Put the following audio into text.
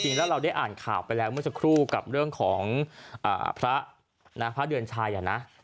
จริงแล้วเราได้อ่านข่าวไปแล้วเมื่อสักครู่กับเรื่องของพระเดือนชัย